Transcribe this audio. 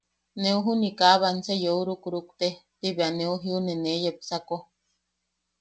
Neu juni kaa banse yeu rukrukte –ti bea neu jiune nee yepsako.